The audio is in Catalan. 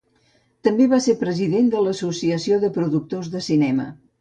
També va ser president de l'Associació de Productors de Cinema.